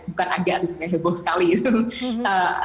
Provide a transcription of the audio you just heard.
bukan agak sih sebenarnya heboh sekali gitu